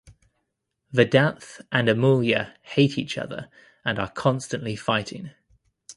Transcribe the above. Vedanth and Amulya hate each other and are constantly fighting.